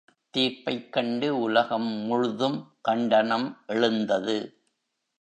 தீர்ப்பைக் கண்டு உலகம் முழுதும் கண்டனம் எழுந்தது.